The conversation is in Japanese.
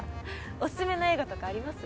おすすめの映画とかあります？